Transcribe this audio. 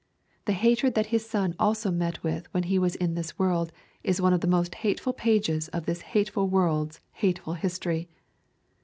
The hatred that His Son also met with when He was in this world is one of the most hateful pages of this hateful world's hateful history.